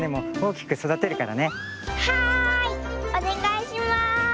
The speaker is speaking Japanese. おねがいします！